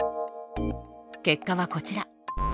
結果はこちら。